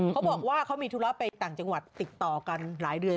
เขาบอกว่าเขามีธุระไปต่างจังหวัดติดต่อกันหลายเดือน